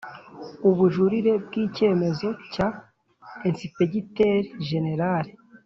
Ubujurire bw icyemezo cya Ensipegiteri Jenerali